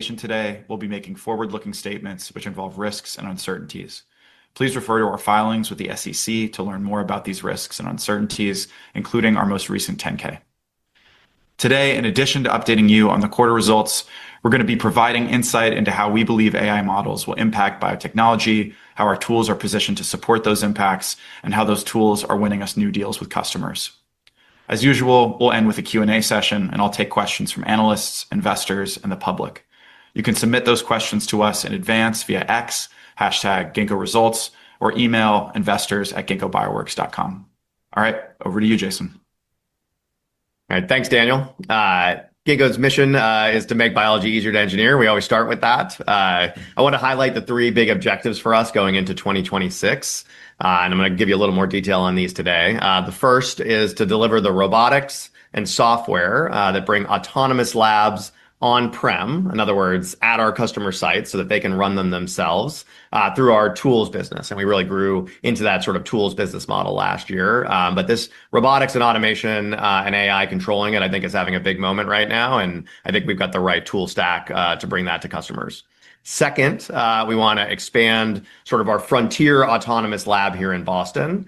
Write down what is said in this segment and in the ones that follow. Today, we'll be making forward-looking statements which involve risks and uncertainties. Please refer to our filings with the SEC to learn more about these risks and uncertainties, including our most recent 10-K. Today, in addition to updating you on the quarter results, we're going to be providing insight into how we believe AI models will impact biotechnology, how our tools are positioned to support those impacts, and how those tools are winning us new deals with customers. As usual, we'll end with a Q&A session, and I'll take questions from analysts, investors, and the public. You can submit those questions to us in advance via X, hashtag Ginkgo Results, or email investors@ginkgobioworks.com. All right, over to you, Jason. All right, thanks, Daniel. Ginkgo's mission is to make biology easier to engineer. We always start with that. I want to highlight the three big objectives for us going into 2026, and I'm going to give you a little more detail on these today. The first is to deliver the robotics and software that bring autonomous labs on-prem, in other words, at our customer site so that they can run them themselves through our tools business. We really grew into that sort of tools business model last year. This robotics and automation and AI controlling it, I think, is having a big moment right now, and I think we've got the right tool stack to bring that to customers. Second, we want to expand sort of our frontier autonomous lab here in Boston.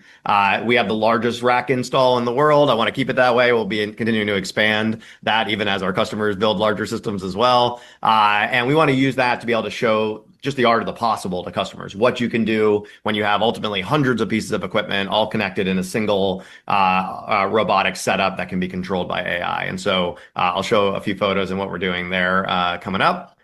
We have the largest rack install in the world. I want to keep it that way. We will be continuing to expand that even as our customers build larger systems as well. We want to use that to be able to show just the art of the possible to customers, what you can do when you have ultimately hundreds of pieces of equipment all connected in a single robotic setup that can be controlled by AI. I will show a few photos and what we are doing there coming up.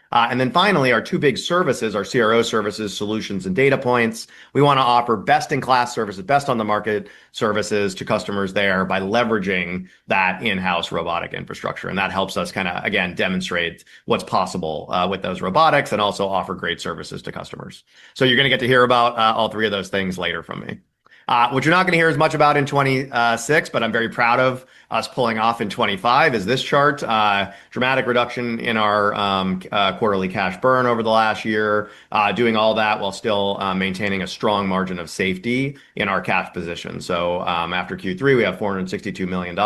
Finally, our two big services, our CRO services, solutions, and Data Points, we want to offer best-in-class services, best on the market services to customers there by leveraging that in-house robotic infrastructure. That helps us kind of, again, demonstrate what is possible with those robotics and also offer great services to customers. You're going to get to hear about all three of those things later from me. What you're not going to hear as much about in 2026, but I'm very proud of us pulling off in 2025, is this chart: dramatic reduction in our quarterly cash burn over the last year, doing all that while still maintaining a strong margin of safety in our cash position. After Q3, we have $462 million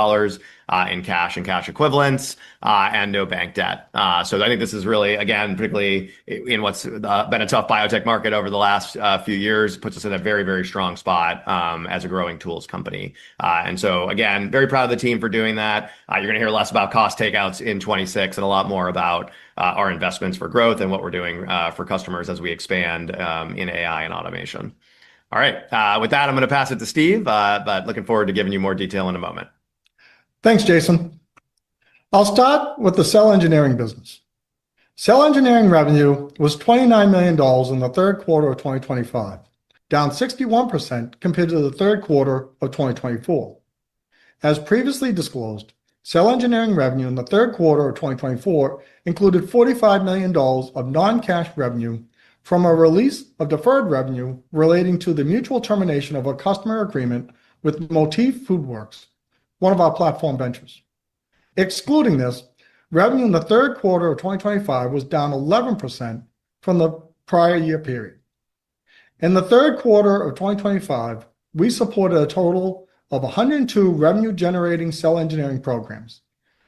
in cash and cash equivalents and no bank debt. I think this is really, again, particularly in what's been a tough biotech market over the last few years, puts us in a very, very strong spot as a growing tools company. Again, very proud of the team for doing that. You're going to hear less about cost takeouts in 2026 and a lot more about our investments for growth and what we're doing for customers as we expand in AI and automation. All right, with that, I'm going to pass it to Steve, but looking forward to giving you more detail in a moment. Thanks, Jason. I'll start with the cell engineering business. Cell engineering revenue was $29 million in the third quarter of 2025, down 61% compared to the third quarter of 2024. As previously disclosed, cell engineering revenue in the third quarter of 2024 included $45 million of non-cash revenue from a release of deferred revenue relating to the mutual termination of a customer agreement with Motif FoodWorks, one of our platform ventures. Excluding this, revenue in the third quarter of 2025 was down 11% from the prior year period. In the third quarter of 2025, we supported a total of 102 revenue-generating cell engineering programs.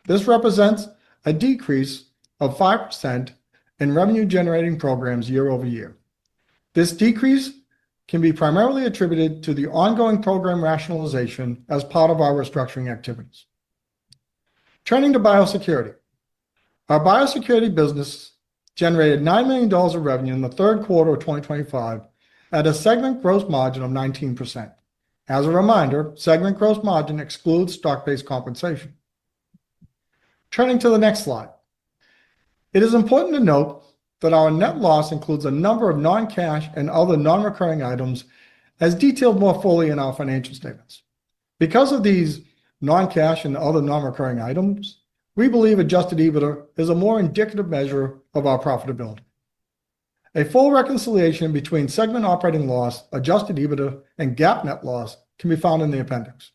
This represents a decrease of 5% in revenue-generating programs year-over-year. This decrease can be primarily attributed to the ongoing program rationalization as part of our restructuring activities. Turning to biosecurity, our biosecurity business generated $9 million of revenue in the third quarter of 2025 at a segment gross margin of 19%. As a reminder, segment gross margin excludes stock-based compensation. Turning to the next slide. It is important to note that our net loss includes a number of non-cash and other non-recurring items as detailed more fully in our financial statements. Because of these non-cash and other non-recurring items, we believe Adjusted EBITDA is a more indicative measure of our profitability. A full reconciliation between segment operating loss, Adjusted EBITDA, and GAAP net loss can be found in the appendix.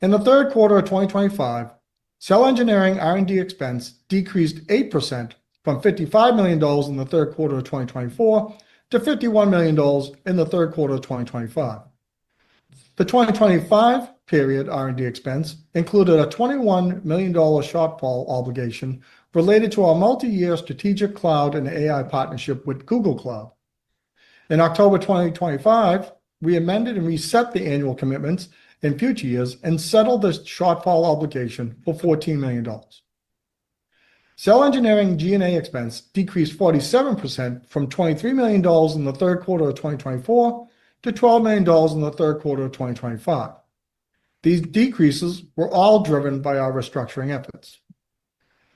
In the third quarter of 2025, cell engineering R&D expense decreased 8% from $55 million in the third quarter of 2024 to $51 million in the third quarter of 2025. The 2025 period R&D expense included a $21 million shortfall obligation related to our multi-year strategic cloud and AI partnership with Google Cloud. In October 2025, we amended and reset the annual commitments in future years and settled the shortfall obligation for $14 million. Cell engineering G&A expense decreased 47% from $23 million in the third quarter of 2024 to $12 million in the third quarter of 2025. These decreases were all driven by our restructuring efforts.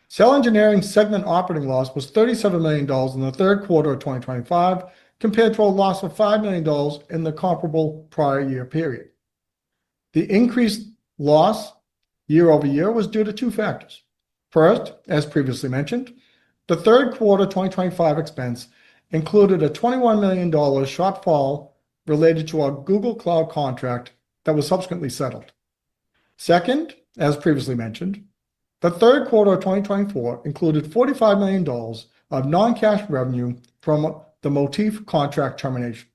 Cell engineering segment operating loss was $37 million in the third quarter of 2025 compared to a loss of $5 million in the comparable prior year period. The increased loss year-over-year was due to two factors. First, as previously mentioned, the third quarter 2025 expense included a $21 million shortfall related to our Google Cloud contract that was subsequently settled. Second, as previously mentioned, the third quarter of 2024 included $45 million of non-cash revenue from the Motif contract termination.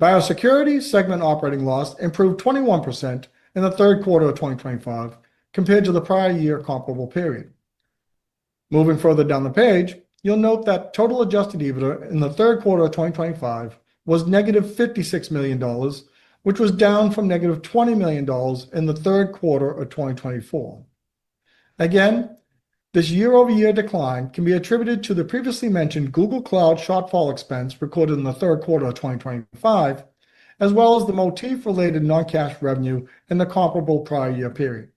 Biosecurity segment operating loss improved 21% in the third quarter of 2025 compared to the prior year comparable period. Moving further down the page, you'll note that total Adjusted EBITDA in the third quarter of 2025 was -$56 million, which was down from -$20 million in the third quarter of 2024. Again, this year-over-year decline can be attributed to the previously mentioned Google Cloud shortfall expense recorded in the third quarter of 2025, as well as the Motif-related non-cash revenue in the comparable prior year period.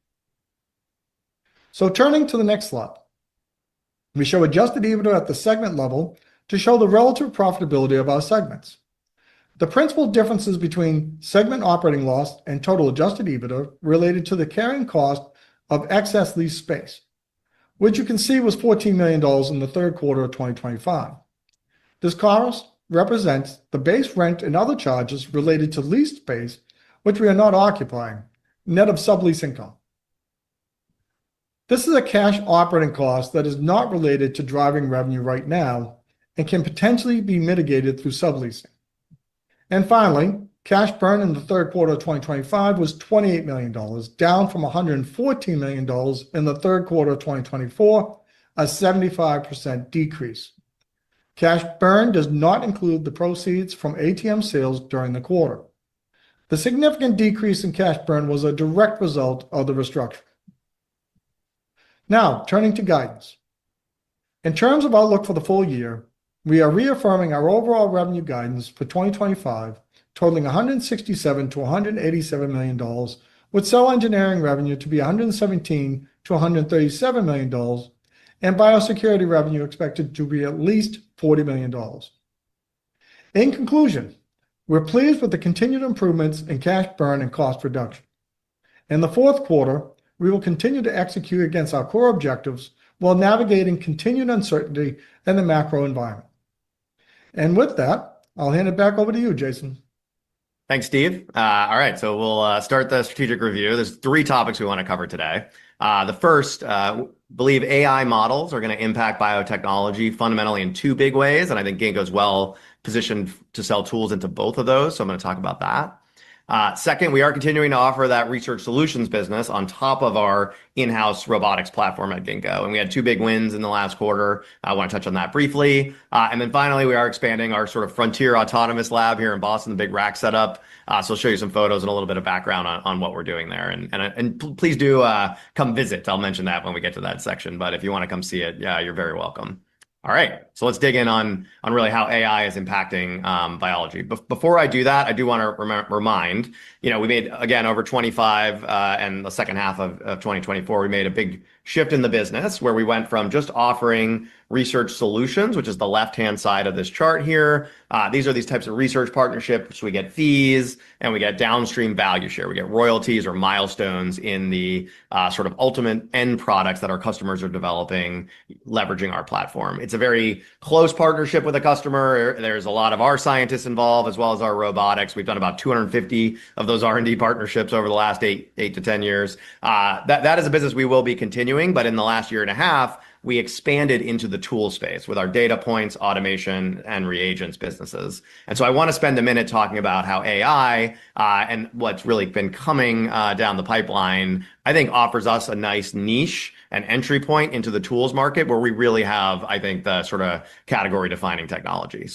Turning to the next slide. We show Adjusted EBITDA at the segment level to show the relative profitability of our segments. The principal differences between segment operating loss and total Adjusted EBITDA related to the carrying cost of excess lease space, which you can see was $14 million in the third quarter of 2025. This cost represents the base rent and other charges related to lease space, which we are not occupying, net of sublease income. This is a cash operating cost that is not related to driving revenue right now and can potentially be mitigated through subleasing. Finally, cash burn in the third quarter of 2025 was $28 million, down from $114 million in the third quarter of 2024, a 75% decrease. Cash burn does not include the proceeds from ATM sales during the quarter. The significant decrease in cash burn was a direct result of the restructuring. Now, turning to guidance. In terms of outlook for the full year, we are reaffirming our overall revenue guidance for 2025, totaling $167 million-$187 million, with cell engineering revenue to be $117 million-$137 million, and biosecurity revenue expected to be at least $40 million. In conclusion, we're pleased with the continued improvements in cash burn and cost reduction. In the fourth quarter, we will continue to execute against our core objectives while navigating continued uncertainty in the macro environment. With that, I'll hand it back over to you, Jason. Thanks, Steve. All right, we'll start the strategic review. There are three topics we want to cover today. The first. I believe AI models are going to impact biotechnology fundamentally in two big ways, and I think Ginkgo's well positioned to sell tools into both of those, so I'm going to talk about that. Second, we are continuing to offer that research solutions business on top of our in-house robotics platform at Ginkgo. We had two big wins in the last quarter. I want to touch on that briefly. Finally, we are expanding our sort of frontier autonomous lab here in Boston, the big rack setup. I'll show you some photos and a little bit of background on what we're doing there. Please do come visit. I'll mention that when we get to that section. But if you want to come see it, you're very welcome. All right, so let's dig in on really how AI is impacting biology. Before I do that, I do want to remind, you know, we made, again, over 2025 and the second half of 2024, we made a big shift in the business where we went from just offering research solutions, which is the left-hand side of this chart here. These are these types of research partnerships, which we get fees and we get downstream value share. We get royalties or milestones in the sort of ultimate end products that our customers are developing, leveraging our platform. It's a very close partnership with a customer. There's a lot of our scientists involved as well as our robotics. We've done about 250 of those R&D partnerships over the last eight to 10 years. That is a business we will be continuing, but in the last year and a half, we expanded into the tool space with our Data Points, automation, and reagents businesses. I want to spend a minute talking about how AI, and what's really been coming down the pipeline, I think, offers us a nice niche and entry point into the tools market where we really have, I think, the sort of category-defining technology.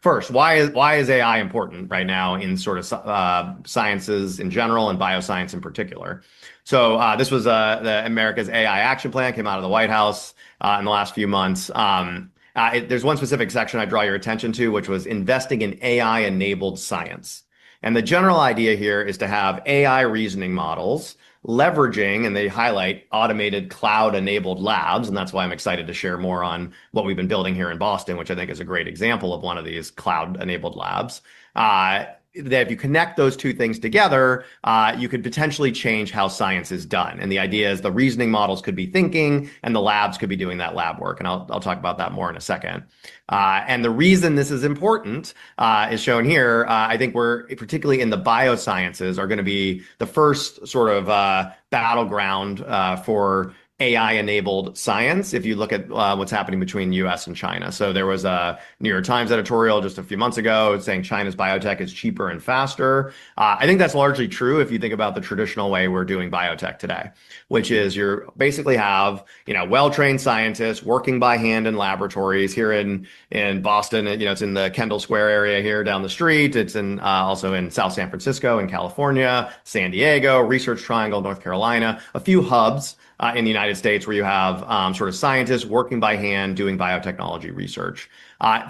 First, why is AI important right now in sciences in general and bioscience in particular? This was America's AI Action Plan, came out of the White House in the last few months. There is one specific section I draw your attention to, which was investing in AI-enabled science. The general idea here is to have AI reasoning models leveraging, and they highlight automated cloud-enabled labs. That is why I'm excited to share more on what we've been building here in Boston, which I think is a great example of one of these cloud-enabled labs. If you connect those two things together, you could potentially change how science is done. The idea is the reasoning models could be thinking and the labs could be doing that lab work. I'll talk about that more in a second. The reason this is important is shown here. I think we are particularly in the biosciences, going to be the first sort of battleground for AI-enabled science if you look at what's happening between the U.S. and China. There was a New York Times editorial just a few months ago saying China's biotech is cheaper and faster. I think that's largely true if you think about the traditional way we're doing biotech today, which is you basically have well-trained scientists working by hand in laboratories here in Boston. It's in the Kendall Square area here down the street. It's also in South San Francisco and California, San Diego, Research Triangle, North Carolina, a few hubs in the United States where you have sort of scientists working by hand doing biotechnology research.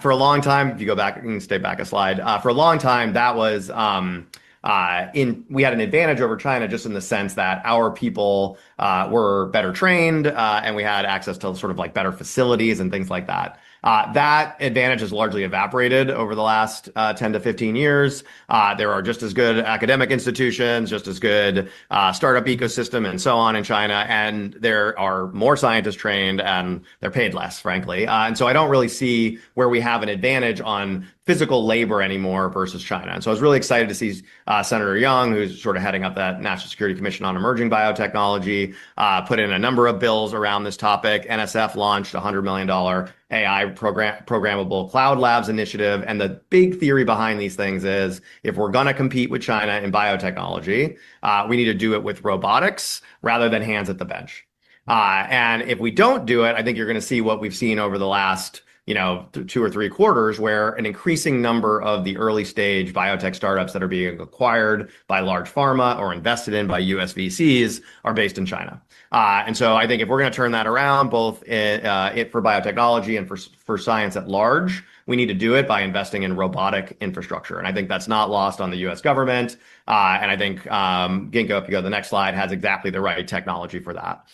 For a long time, if you go back, you can stay back a slide. For a long time, that was. We had an advantage over China just in the sense that our people were better trained and we had access to sort of like better facilities and things like that. That advantage has largely evaporated over the last 10-15 years. There are just as good academic institutions, just as good startup ecosystem, and so on in China. There are more scientists trained and they're paid less, frankly. I don't really see where we have an advantage on physical labor anymore versus China. I was really excited to see Senator Young, who's sort of heading up that National Security Commission on Emerging Biotechnology, put in a number of bills around this topic. NSF launched a $100 million AI programmable cloud labs initiative. The big theory behind these things is if we're going to compete with China in biotechnology, we need to do it with robotics rather than hands at the bench. If we don't do it, I think you're going to see what we've seen over the last. Two or three quarters where an increasing number of the early-stage biotech startups that are being acquired by large pharma or invested in by U.S. VCs are based in China. I think if we're going to turn that around, both for biotechnology and for science at large, we need to do it by investing in robotic infrastructure. I think that's not lost on the U.S. government. I think Ginkgo, if you go to the next slide, has exactly the right technology for that.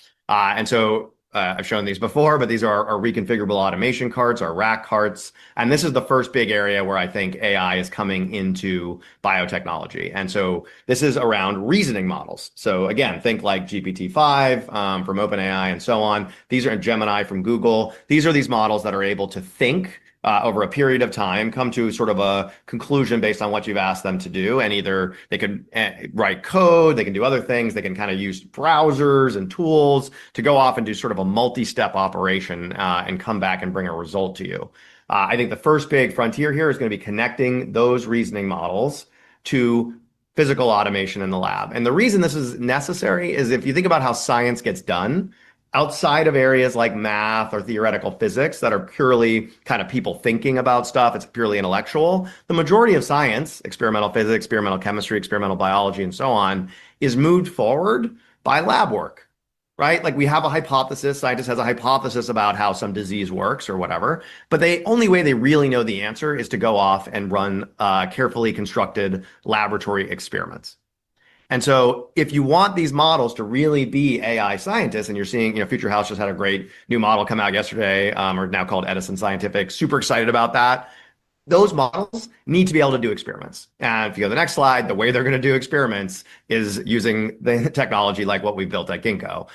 I've shown these before, but these are our reconfigurable automation carts, our rack carts. This is the first big area where I think AI is coming into biotechnology. This is around reasoning models. Again, think like GPT-5 from OpenAI and so on. These are in Gemini from Google. These are these models that are able to think over a period of time, come to sort of a conclusion based on what you've asked them to do. They can write code, they can do other things, they can kind of use browsers and tools to go off and do sort of a multi-step operation and come back and bring a result to you. I think the first big frontier here is going to be connecting those reasoning models to physical automation in the lab. The reason this is necessary is if you think about how science gets done outside of areas like math or theoretical physics that are purely kind of people thinking about stuff, it's purely intellectual. The majority of science, experimental physics, experimental chemistry, experimental biology, and so on, is moved forward by lab work. Right? Like we have a hypothesis, scientists have a hypothesis about how some disease works or whatever, but the only way they really know the answer is to go off and run carefully constructed laboratory experiments. If you want these models to really be AI scientists and you're seeing Future House just had a great new model come out yesterday or now called Edison Scientific, super excited about that, those models need to be able to do experiments. If you go to the next slide, the way they're going to do experiments is using the technology like what we've built at Ginkgo.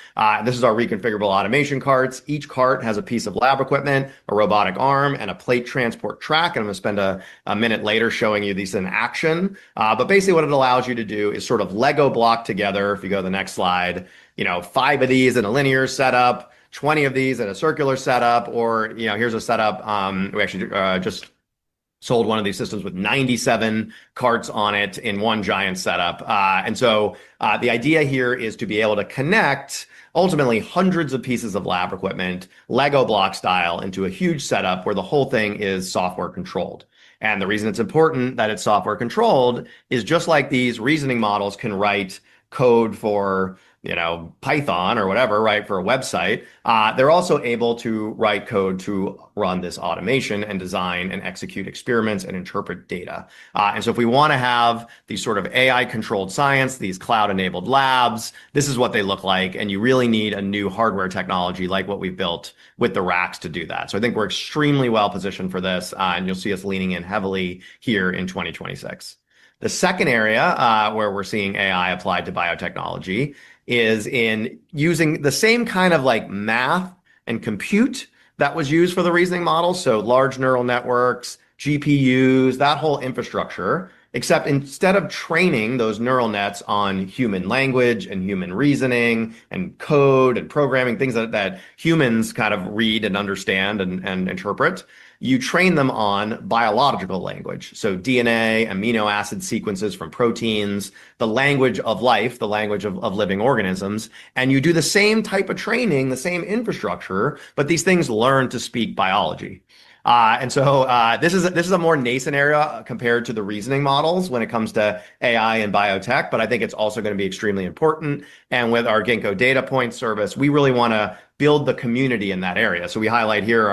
This is our reconfigurable automation carts. Each cart has a piece of lab equipment, a robotic arm, and a plate transport track. I'm going to spend a minute later showing you these in action. Basically, what it allows you to do is sort of Lego block together. If you go to the next slide, five of these in a linear setup, 20 of these in a circular setup, or here is a setup. We actually just sold one of these systems with 97 carts on it in one giant setup. The idea here is to be able to connect ultimately hundreds of pieces of lab equipment, Lego block style, into a huge setup where the whole thing is software controlled. The reason it is important that it is software controlled is just like these reasoning models can write code for Python or whatever, right, for a website, they are also able to write code to run this automation and design and execute experiments and interpret data. If we want to have these sort of AI-controlled science, these cloud-enabled labs, this is what they look like. You really need a new hardware technology like what we've built with the racks to do that. I think we're extremely well positioned for this. You'll see us leaning in heavily here in 2026. The second area where we're seeing AI applied to biotechnology is in using the same kind of math and compute that was used for the reasoning models. Large neural networks, GPUs, that whole infrastructure, except instead of training those neural nets on human language and human reasoning and code and programming, things that humans kind of read and understand and interpret, you train them on biological language. DNA, amino acid sequences from proteins, the language of life, the language of living organisms. You do the same type of training, the same infrastructure, but these things learn to speak biology. This is a more nascent area compared to the reasoning models when it comes to AI and biotech. I think it's also going to be extremely important. With our Ginkgo Data Points service, we really want to build the community in that area. We highlight here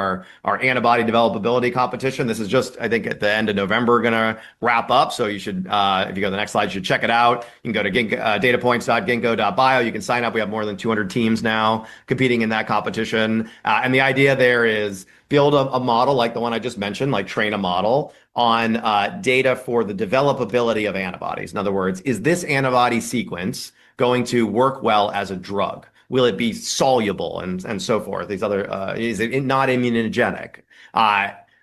our Antibody Developability Competition. This is just, I think, at the end of November, going to wrap up. If you go to the next slide, you should check it out. You can go to datapoints.ginkgo.bio. You can sign up. We have more than 200 teams now competing in that competition. The idea there is build a model like the one I just mentioned, like train a model on data for the developability of antibodies. In other words, is this antibody sequence going to work well as a drug? Will it be soluble and so forth? Is it not immunogenic?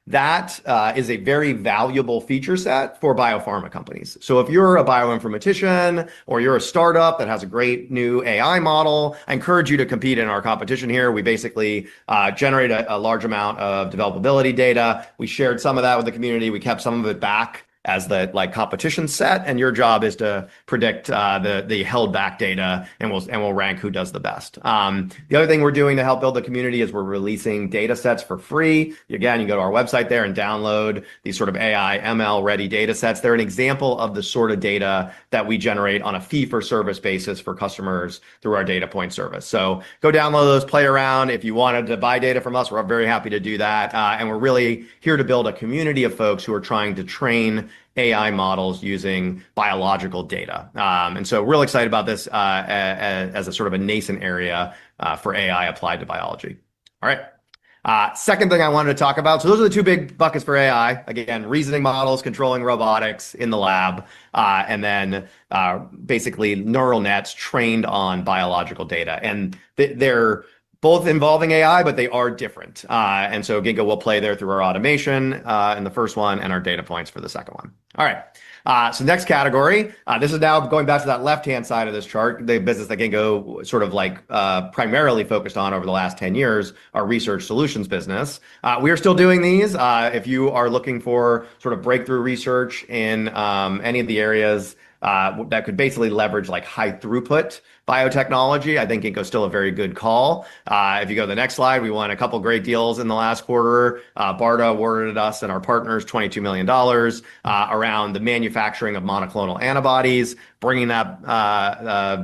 That is a very valuable feature set for biopharma companies. If you're a bioinformatician or you're a startup that has a great new AI model, I encourage you to compete in our competition here. We basically generate a large amount of developability data. We shared some of that with the community. We kept some of it back as the competition set. Your job is to predict the held back data and we'll rank who does the best. The other thing we're doing to help build the community is we're releasing data sets for free. Again, you can go to our website there and download these sort of AI ML ready data sets. They're an example of the sort of data that we generate on a fee-for-service basis for customers through our Data Points service. Go download those, play around. If you wanted to buy data from us, we're very happy to do that. We're really here to build a community of folks who are trying to train AI models using biological data. We're really excited about this as a sort of nascent area for AI applied to biology. All right. Second thing I wanted to talk about. Those are the two big buckets for AI: reasoning models controlling robotics in the lab, and then basically neural nets trained on biological data. They're both involving AI, but they are different. Ginkgo will play there through our automation in the first one and our Data Points for the second one. All right. Next category, this is now going back to that left-hand side of this chart. The business that Ginkgo sort of primarily focused on over the last 10 years are research solutions business. We are still doing these. If you are looking for sort of breakthrough research in any of the areas that could basically leverage high throughput biotechnology, I think Ginkgo is still a very good call. If you go to the next slide, we won a couple of great deals in the last quarter. BARDA awarded us and our partners $22 million around the manufacturing of monoclonal antibodies, bringing that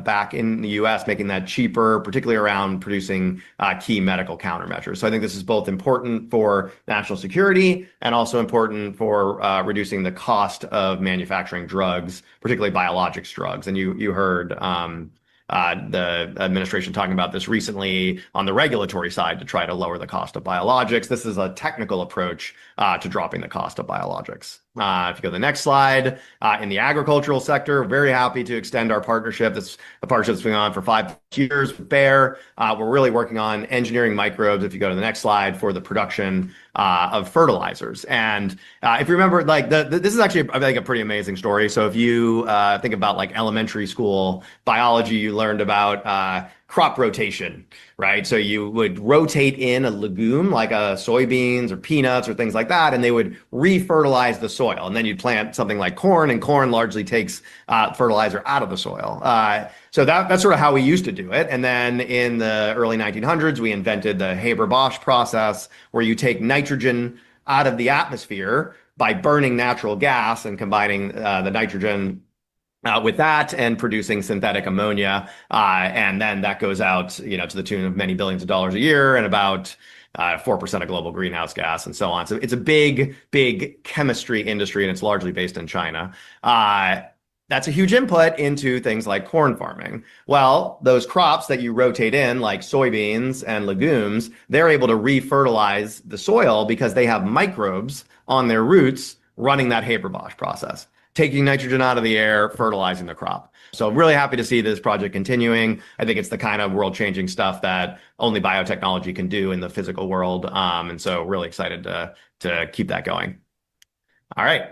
back in the U.S., making that cheaper, particularly around producing key medical countermeasures. I think this is both important for national security and also important for reducing the cost of manufacturing drugs, particularly biologics drugs. And you heard. The administration talking about this recently on the regulatory side to try to lower the cost of biologics. This is a technical approach to dropping the cost of biologics. If you go to the next slide, in the agricultural sector, very happy to extend our partnership. This is a partnership that's been going on for five years with Bayer. We're really working on engineering microbes. If you go to the next slide for the production of fertilizers. If you remember, this is actually a pretty amazing story. If you think about elementary school biology, you learned about crop rotation, right? You would rotate in a legume like soybeans or peanuts or things like that, and they would refertilize the soil. You'd plant something like corn, and corn largely takes fertilizer out of the soil. That is sort of how we used to do it. In the early 1900s, we invented the Haber-Bosch process where you take nitrogen out of the atmosphere by burning natural gas and combining the nitrogen with that and producing synthetic ammonia. That goes out to the tune of many billions of dollars a year and about 4% of global greenhouse gas and so on. It is a big, big chemistry industry, and it is largely based in China. That is a huge input into things like corn farming. Those crops that you rotate in, like soybeans and legumes, are able to refertilize the soil because they have microbes on their roots running that Haber-Bosch process, taking nitrogen out of the air, fertilizing the crop. I am really happy to see this project continuing. I think it is the kind of world-changing stuff that only biotechnology can do in the physical world. Really excited to keep that going. All right.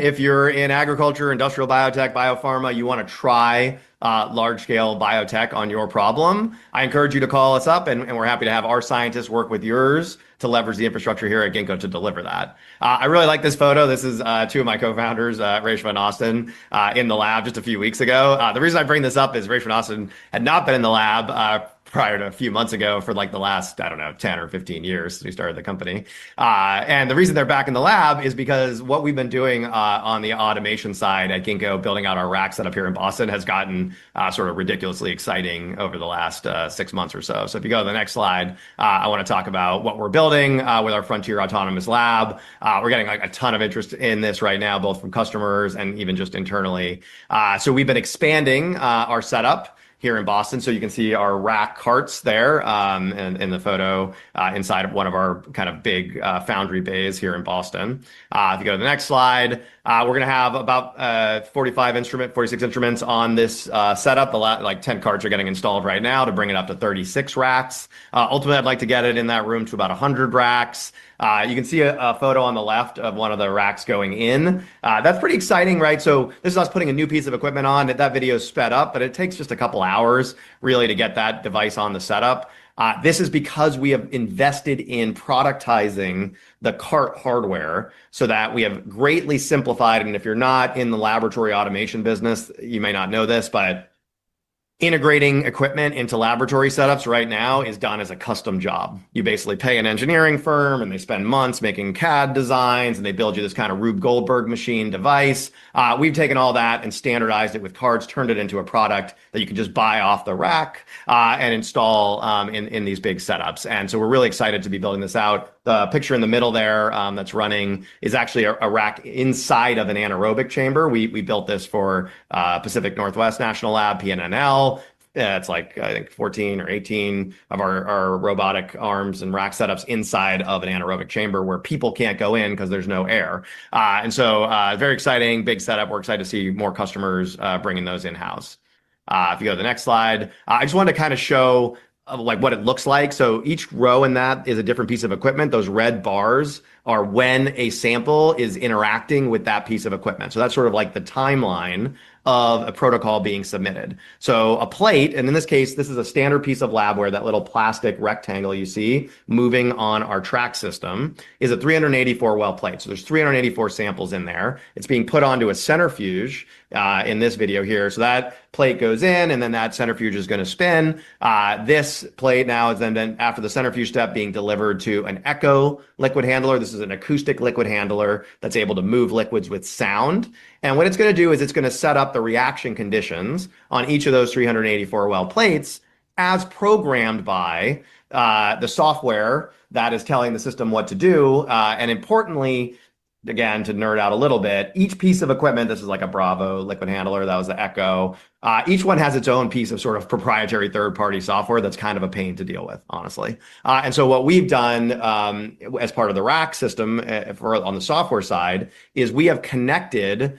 If you're in agriculture, industrial biotech, biopharma, you want to try large-scale biotech on your problem, I encourage you to call us up. We're happy to have our scientists work with yours to leverage the infrastructure here at Ginkgo to deliver that. I really like this photo. This is two of my co-founders, Rachel and Austin, in the lab just a few weeks ago. The reason I bring this up is Rachel and Austin had not been in the lab prior to a few months ago for like the last, I don't know, 10 or 15 years since we started the company. The reason they're back in the lab is because what we've been doing on the automation side at Ginkgo, building out our rack setup here in Boston, has gotten sort of ridiculously exciting over the last six months or so. If you go to the next slide, I want to talk about what we're building with our frontier autonomous lab. We're getting a ton of interest in this right now, both from customers and even just internally. We've been expanding our setup here in Boston. You can see our rack carts there in the photo inside of one of our kind of big foundry bays here in Boston. If you go to the next slide, we're going to have about 45 instruments, 46 instruments on this setup. Like 10 carts are getting installed right now to bring it up to 36 racks. Ultimately, I'd like to get it in that room to about 100 racks. You can see a photo on the left of one of the racks going in. That's pretty exciting, right? This is us putting a new piece of equipment on. That video is sped up, but it takes just a couple of hours really to get that device on the setup. This is because we have invested in productizing the cart hardware so that we have greatly simplified. If you're not in the laboratory automation business, you may not know this, but integrating equipment into laboratory setups right now is done as a custom job. You basically pay an engineering firm, and they spend months making CAD designs, and they build you this kind of Rube Goldberg machine device. We've taken all that and standardized it with carts, turned it into a product that you can just buy off the rack and install in these big setups. We're really excited to be building this out. The picture in the middle there that's running is actually a rack inside of an anaerobic chamber. We built this for Pacific Northwest National Laboratory, PNNL. It's like, I think, 14 or 18 of our robotic arms and rack setups inside of an anaerobic chamber where people can't go in because there's no air. Very exciting, big setup. We're excited to see more customers bringing those in-house. If you go to the next slide, I just wanted to kind of show what it looks like. Each row in that is a different piece of equipment. Those red bars are when a sample is interacting with that piece of equipment. That's sort of like the timeline of a protocol being submitted. A plate, and in this case, this is a standard piece of labware. That little plastic rectangle you see moving on our track system is a 384 well plate. There are 384 samples in there. It's being put onto a centrifuge in this video here. That plate goes in, and then that centrifuge is going to spin. This plate now is then after the centrifuge step being delivered to an Echo liquid handler. This is an acoustic liquid handler that's able to move liquids with sound. What it's going to do is it's going to set up the reaction conditions on each of those 384 well plates as programmed by the software that is telling the system what to do. Importantly, again, to nerd out a little bit, each piece of equipment, this is like a Bravo liquid handler. That was the Echo. Each one has its own piece of sort of proprietary third-party software that's kind of a pain to deal with, honestly. What we've done as part of the rack system on the software side is we have connected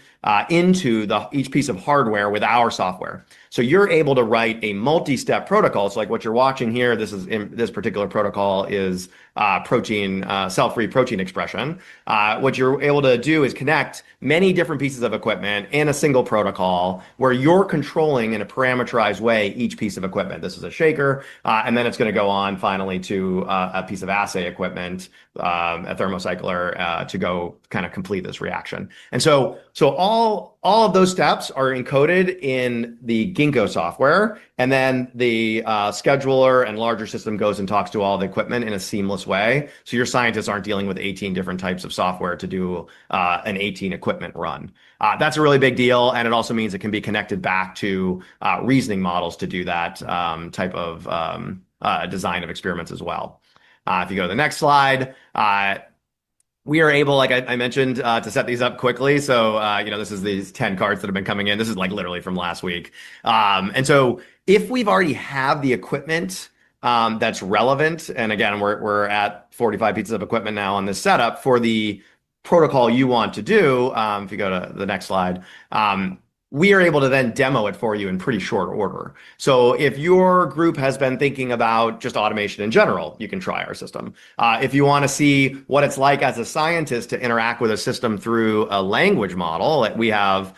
into each piece of hardware with our software. You're able to write a multi-step protocol. It's like what you're watching here. This particular protocol is self-read protein expression. What you're able to do is connect many different pieces of equipment in a single protocol where you're controlling in a parameterized way each piece of equipment. This is a shaker, and then it's going to go on finally to a piece of assay equipment, a thermocycling to go kind of complete this reaction. All of those steps are encoded in the Ginkgo software. The scheduler and larger system goes and talks to all the equipment in a seamless way. Your scientists are not dealing with 18 different types of software to do an 18 equipment run. That is a really big deal. It also means it can be connected back to reasoning models to do that type of design of experiments as well. If you go to the next slide, we are able, like I mentioned, to set these up quickly. This is these 10 carts that have been coming in. This is literally from last week. If we have already had the equipment. That's relevant, and again, we're at 45 pieces of equipment now on this setup for the protocol you want to do. If you go to the next slide, we are able to then demo it for you in pretty short order. If your group has been thinking about just automation in general, you can try our system. If you want to see what it's like as a scientist to interact with a system through a language model, we have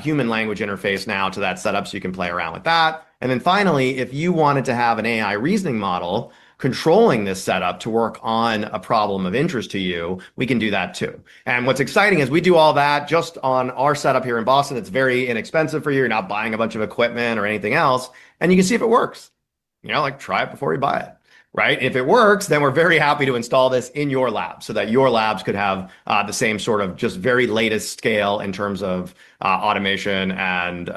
human language interface now to that setup so you can play around with that. Finally, if you wanted to have an AI reasoning model controlling this setup to work on a problem of interest to you, we can do that too. What's exciting is we do all that just on our setup here in Boston. It's very inexpensive for you. You're not buying a bunch of equipment or anything else. You can see if it works. Like try it before you buy it, right? If it works, then we're very happy to install this in your lab so that your labs could have the same sort of just very latest scale in terms of automation and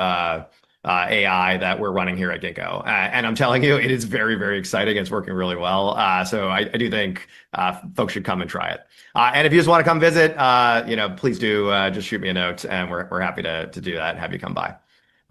AI that we're running here at Ginkgo. I'm telling you, it is very, very exciting. It's working really well. I do think folks should come and try it. If you just want to come visit, please do just shoot me a note. We're happy to do that and have you come by.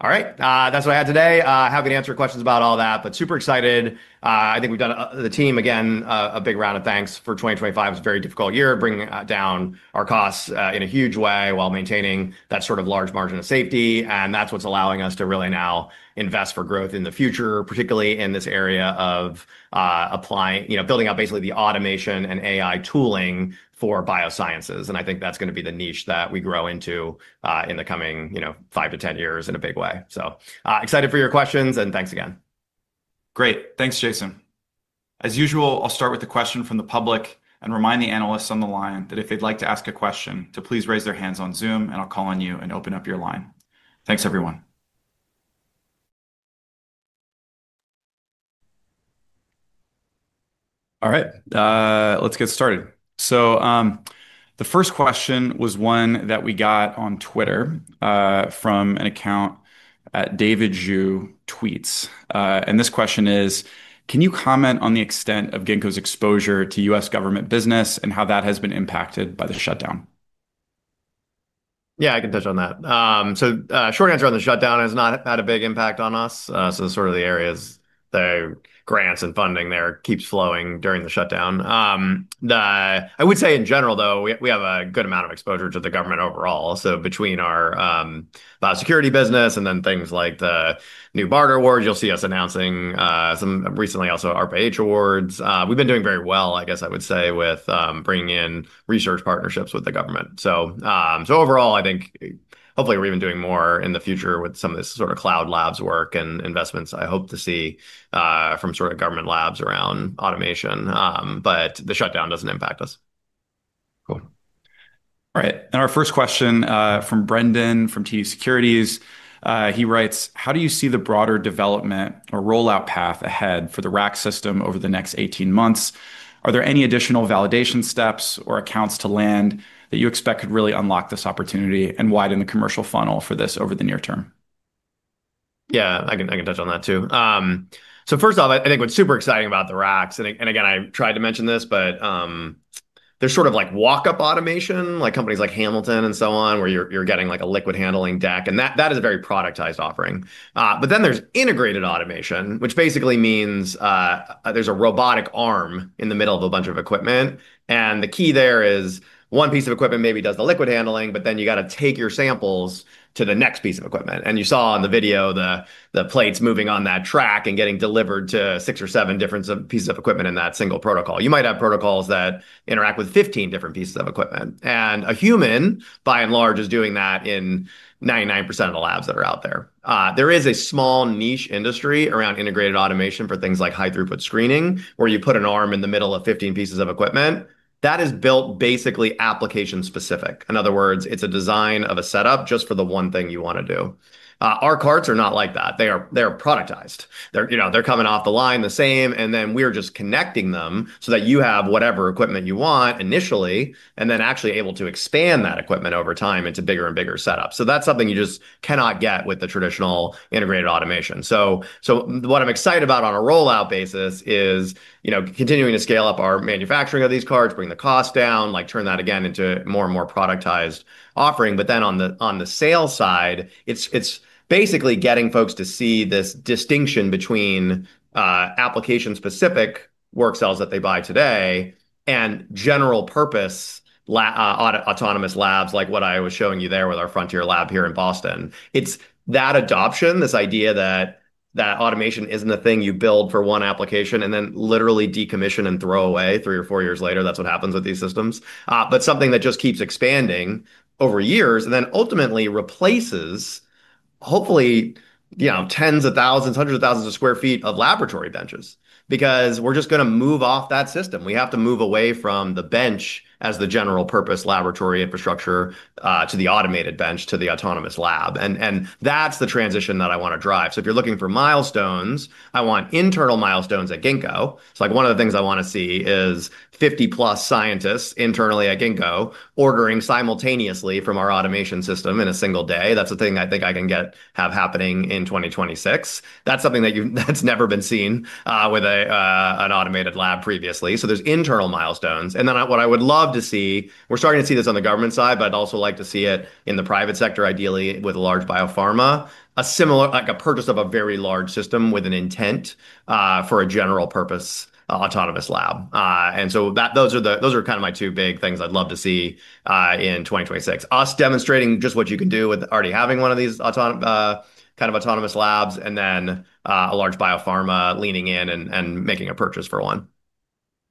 All right. That's what I had today. Happy to answer questions about all that, but super excited. I think we've done the team, again, a big round of thanks for 2025. It's a very difficult year bringing down our costs in a huge way while maintaining that sort of large margin of safety. That's what's allowing us to really now invest for growth in the future, particularly in this area of building out basically the automation and AI tooling for biosciences. I think that's going to be the niche that we grow into in the coming 5-10 years in a big way. Excited for your questions and thanks again. Great. Thanks, Jason. As usual, I'll start with a question from the public and remind the analysts on the line that if they'd like to ask a question, to please raise their hands on Zoom and I'll call on you and open up your line. Thanks, everyone. All right. Let's get started. The first question was one that we got on Twitter from an account at David Zhu Tweets. And this question is, can you comment on the extent of Ginkgo's exposure to U.S. government business and how that has been impacted by the shutdown? Yeah, I can touch on that. So short answer on the shutdown has not had a big impact on us. Sort of the areas that are grants and funding there keeps flowing during the shutdown. I would say in general, though, we have a good amount of exposure to the government overall. So between our biosecurity business and then things like the new BARDA awards, you'll see us announcing some recently also ARPA-H awards. We've been doing very well, I guess I would say, with bringing in research partnerships with the government. Overall, I think hopefully we're even doing more in the future with some of this sort of cloud labs work and investments I hope to see from sort of government labs around automation. The shutdown does not impact us. Cool. All right. Our first question from Brendan from TD Securities, he writes, how do you see the broader development or rollout path ahead for the rack system over the next 18 months? Are there any additional validation steps or accounts to land that you expect could really unlock this opportunity and widen the commercial funnel for this over the near term? Yeah, I can touch on that too. First off, I think what's super exciting about the racks, and again, I tried to mention this, but there's sort of like walk-up automation, like companies like Hamilton and so on, where you're getting like a liquid handling deck. That is a very productized offering. There is integrated automation, which basically means there is a robotic arm in the middle of a bunch of equipment. The key there is one piece of equipment maybe does the liquid handling, but then you have to take your samples to the next piece of equipment. You saw in the video the plates moving on that track and getting delivered to six or seven different pieces of equipment in that single protocol. You might have protocols that interact with 15 different pieces of equipment. A human, by and large, is doing that in 99% of the labs that are out there. There is a small niche industry around integrated automation for things like high-throughput screening, where you put an arm in the middle of 15 pieces of equipment. That is built basically application-specific. In other words, it's a design of a setup just for the one thing you want to do. Our carts are not like that. They are productized. They're coming off the line the same. We are just connecting them so that you have whatever equipment you want initially and then actually able to expand that equipment over time into bigger and bigger setups. That is something you just cannot get with the traditional integrated automation. What I'm excited about on a rollout basis is continuing to scale up our manufacturing of these carts, bring the cost down, like turn that again into a more and more productized offering. On the sale side, it's basically getting folks to see this distinction between application-specific work cells that they buy today and general-purpose. Autonomous labs, like what I was showing you there with our frontier lab here in Boston. It is that adoption, this idea that automation is not a thing you build for one application and then literally decommission and throw away three or four years later. That is what happens with these systems. But something that just keeps expanding over years and then ultimately replaces, hopefully, tens of thousands, hundreds of thousands of sq ft of laboratory benches because we are just going to move off that system. We have to move away from the bench as the general-purpose laboratory infrastructure to the automated bench to the autonomous lab. That is the transition that I want to drive. If you are looking for milestones, I want internal milestones at Ginkgo. It's like one of the things I want to see is 50+ scientists internally at Ginkgo ordering simultaneously from our automation system in a single day. That's a thing I think I can have happening in 2026. That's something that's never been seen with an automated lab previously. There are internal milestones. What I would love to see, we're starting to see this on the government side, but I'd also like to see it in the private sector, ideally with a large biopharma, like a purchase of a very large system with an intent for a general-purpose autonomous lab. Those are kind of my two big things I'd love to see in 2026. Us demonstrating just what you can do with already having one of these autonomous labs and then a large biopharma leaning in and making a purchase for one.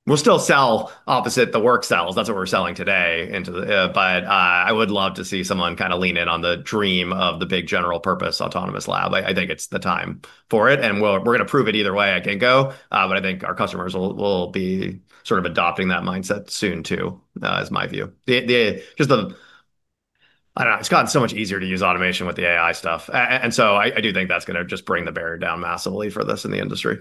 We'll still sell opposite the work cells. That's what we're selling today. I would love to see someone kind of lean in on the dream of the big general-purpose autonomous lab. I think it's the time for it. We're going to prove it either way at Ginkgo. I think our customers will be sort of adopting that mindset soon too, is my view. I don't know, it's gotten so much easier to use automation with the AI stuff. I do think that's going to just bring the barrier down massively for this in the industry.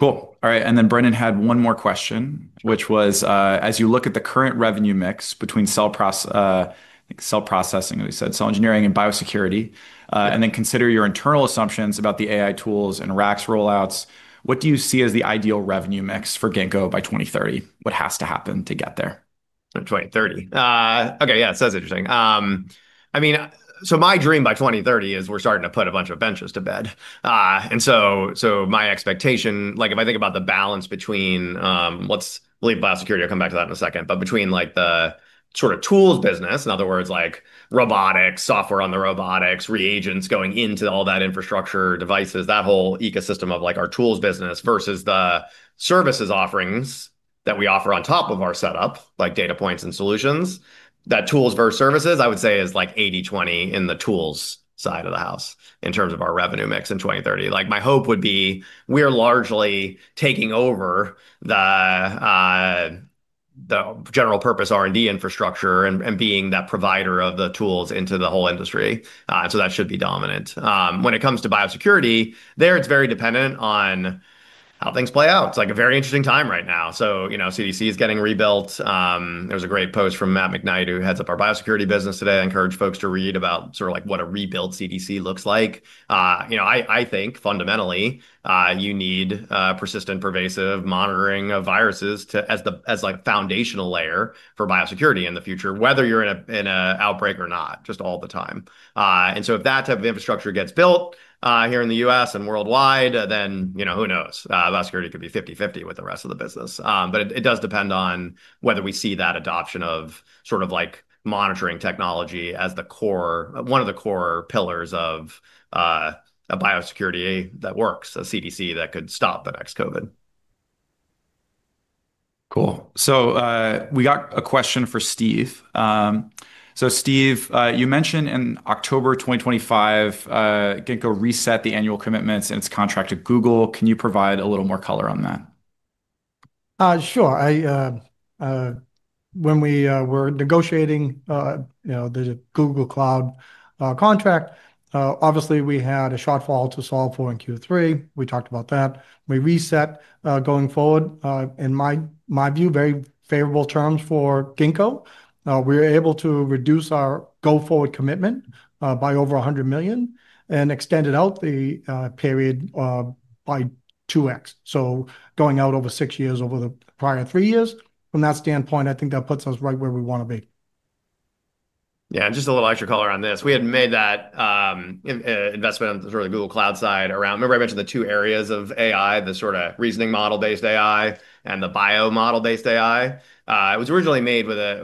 Cool. All right. Brendan had one more question, which was, as you look at the current revenue mix between cell processing, as we said, cell engineering and biosecurity, and then consider your internal assumptions about the AI tools and racks rollouts, what do you see as the ideal revenue mix for Ginkgo by 2030? What has to happen to get there? 2030. Okay, yeah, it sounds interesting. I mean, so my dream by 2030 is we're starting to put a bunch of benches to bed. My expectation, like if I think about the balance between, let's leave biosecurity, I'll come back to that in a second, but between the sort of tools business, in other words, like robotics, software on the robotics, reagents going into all that infrastructure, devices, that whole ecosystem of our tools business versus the services offerings that we offer on top of our setup, like data points and solutions, that tools versus services, I would say is like 80-20 in the tools side of the house in terms of our revenue mix in 2030. My hope would be we are largely taking over the general-purpose R&D infrastructure and being that provider of the tools into the whole industry. That should be dominant. When it comes to biosecurity, there it's very dependent on how things play out. It's like a very interesting time right now. CDC is getting rebuilt. There is a great post from Matt McKnight who heads up our biosecurity business today. I encourage folks to read about sort of what a rebuilt CDC looks like. I think fundamentally you need persistent, pervasive monitoring of viruses as a foundational layer for biosecurity in the future, whether you are in an outbreak or not, just all the time. If that type of infrastructure gets built here in the U.S. and worldwide, then who knows? Biosecurity could be 50-50 with the rest of the business. It does depend on whether we see that adoption of sort of monitoring technology as one of the core pillars of a biosecurity that works, a CDC that could stop the next COVID. Cool. We got a question for Steve. Steve, you mentioned in October 2025 Ginkgo reset the annual commitments in its contract to Google. Can you provide a little more color on that? Sure. When we were negotiating the Google Cloud contract, obviously we had a shortfall to solve for in Q3. We talked about that. We reset going forward. In my view, very favorable terms for Ginkgo. We were able to reduce our go forward commitment by over $100 million and extended out the period by 2x, so going out over six years over the prior three years. From that standpoint, I think that puts us right where we want to be. Yeah, and just a little extra color on this. We had made that investment on the Google Cloud side around, remember I mentioned the two areas of AI, the sort of reasoning model-based AI and the bio model-based AI. It was originally made with a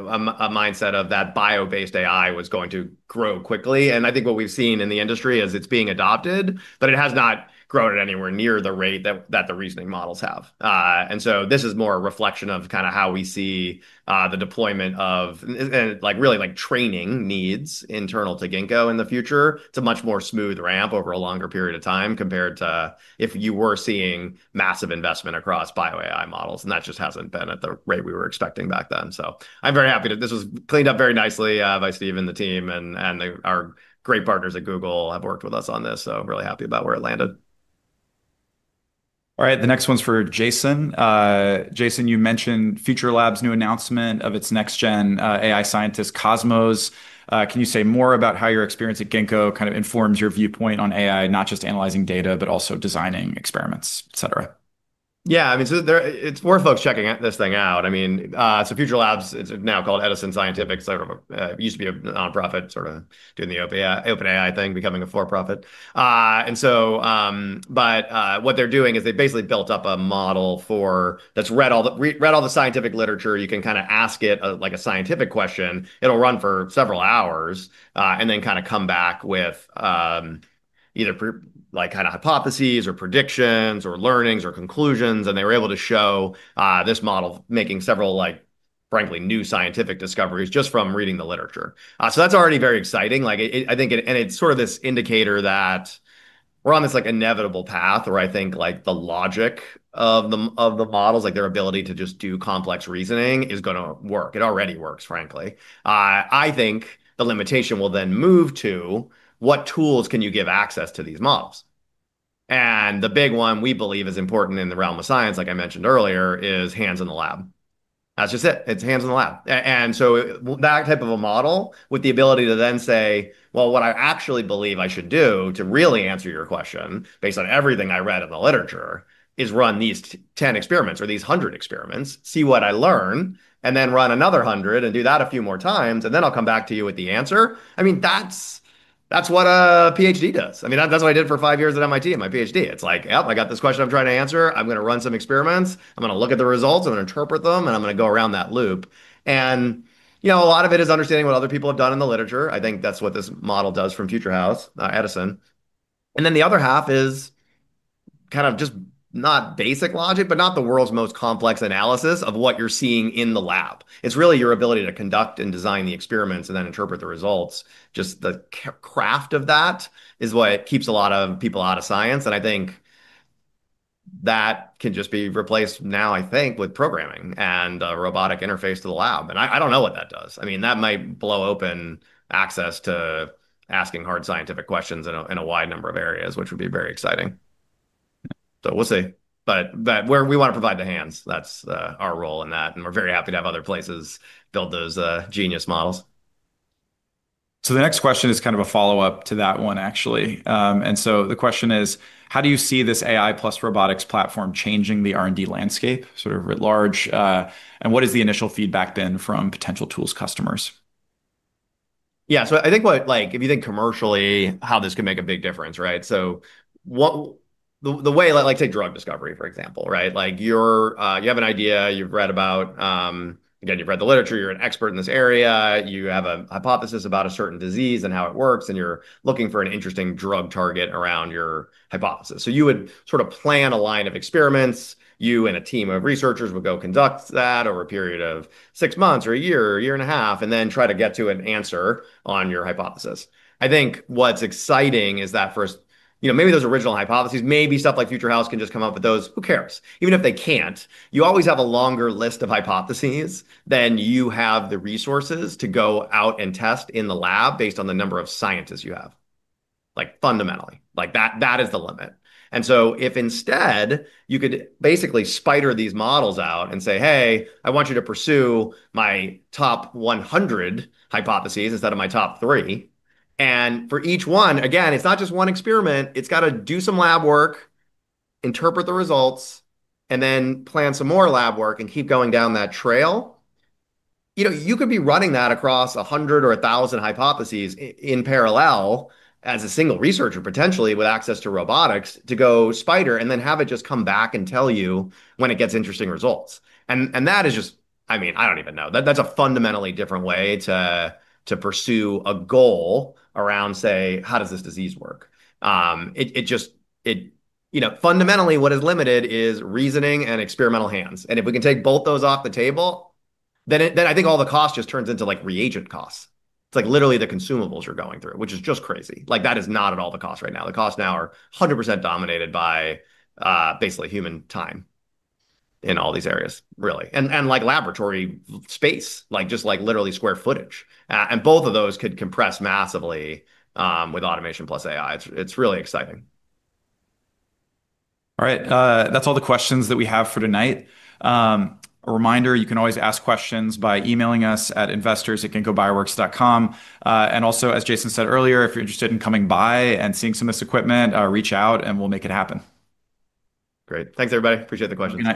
mindset of that bio-based AI was going to grow quickly. I think what we've seen in the industry is it's being adopted, but it has not grown at anywhere near the rate that the reasoning models have. This is more a reflection of kind of how we see the deployment of really training needs internal to Ginkgo in the future. It's a much more smooth ramp over a longer period of time compared to if you were seeing massive investment across bio AI models. That just hasn't been at the rate we were expecting back then. I'm very happy that this was cleaned up very nicely by Steve and the team. Our great partners at Google have worked with us on this. I'm really happy about where it landed. All right. The next one's for Jason. Jason, you mentioned FutureLab's new announcement of its next-gen AI scientist, Cosmos. Can you say more about how your experience at Ginkgo kind of informs your viewpoint on AI, not just analyzing data, but also designing experiments, etc.? Yeah, I mean, so it's worth folks checking this thing out. I mean, so FutureHouse is now called Edison Scientific. It used to be a nonprofit sort of doing the OpenAI thing, becoming a for-profit. What they're doing is they basically built up a model that's read all the scientific literature. You can kind of ask it like a scientific question. It'll run for several hours and then kind of come back with either kind of hypotheses or predictions or learnings or conclusions. They were able to show this model making several, frankly, new scientific discoveries just from reading the literature. That's already very exciting. It's sort of this indicator that. We're on this inevitable path where I think the logic of the models, like their ability to just do complex reasoning, is going to work. It already works, frankly. I think the limitation will then move to what tools can you give access to these models? The big one we believe is important in the realm of science, like I mentioned earlier, is hands in the lab. That's just it. It's hands in the lab. That type of a model with the ability to then say, what I actually believe I should do to really answer your question based on everything I read in the literature is run these 10 experiments or these 100 experiments, see what I learn, and then run another 100 and do that a few more times. Then I'll come back to you with the answer. I mean, that's. What a PhD does. I mean, that's what I did for five years at MIT in my PhD. It's like, yep, I got this question I'm trying to answer. I'm going to run some experiments. I'm going to look at the results. I'm going to interpret them. I'm going to go around that loop. A lot of it is understanding what other people have done in the literature. I think that's what this model does from Edison Scientific. And then the other half is kind of just not basic logic, but not the world's most complex analysis of what you're seeing in the lab. It's really your ability to conduct and design the experiments and then interpret the results. Just the craft of that is what keeps a lot of people out of science. I think. That can just be replaced now, I think, with programming and a robotic interface to the lab. I do not know what that does. I mean, that might blow open access to asking hard scientific questions in a wide number of areas, which would be very exciting. We will see. Where we want to provide the hands, that is our role in that. We are very happy to have other places build those genius models. The next question is kind of a follow-up to that one, actually. The question is, how do you see this AI plus robotics platform changing the R&D landscape sort of at large? What has the initial feedback been from potential tools customers? Yeah, I think if you think commercially, how this can make a big difference, right? The way, like say drug discovery, for example, right? You have an idea. You've read about. Again, you've read the literature. You're an expert in this area. You have a hypothesis about a certain disease and how it works. You're looking for an interesting drug target around your hypothesis. You would sort of plan a line of experiments. You and a team of researchers would go conduct that over a period of six months or a year or a year and a half and then try to get to an answer on your hypothesis. I think what's exciting is that first. Maybe those original hypotheses, maybe stuff like FutureHouse can just come up with those, who cares? Even if they can't, you always have a longer list of hypotheses than you have the resources to go out and test in the lab based on the number of scientists you have. Fundamentally, that is the limit. If instead you could basically spider these models out and say, "Hey, I want you to pursue my top 100 hypotheses instead of my top three." For each one, again, it is not just one experiment. It has got to do some lab work, interpret the results, and then plan some more lab work and keep going down that trail. You could be running that across 100 or 1,000 hypotheses in parallel as a single researcher, potentially with access to robotics, to go spider and then have it just come back and tell you when it gets interesting results. That is just, I mean, I do not even know. That is a fundamentally different way to pursue a goal around, say, how does this disease work? Fundamentally, what is limited is reasoning and experimental hands. If we can take both those off the table, I think all the cost just turns into reagent costs. It's like literally the consumables you're going through, which is just crazy. That is not at all the cost right now. The costs now are 100% dominated by basically human time in all these areas, really, and laboratory space, just literally square footage. Both of those could compress massively with automation plus AI. It's really exciting. All right. That's all the questions that we have for tonight. A reminder, you can always ask questions by emailing us at investors@ginkgobioworks.com. Also, as Jason said earlier, if you're interested in coming by and seeing some of this equipment, reach out and we'll make it happen. Great. Thanks, everybody. Appreciate the questions.